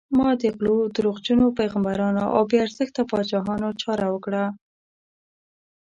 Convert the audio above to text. ما د غلو، دروغجنو پیغمبرانو او بې ارزښته پاچاهانو چاره وکړه.